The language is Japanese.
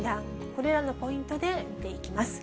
これらのポイントで見ていきます。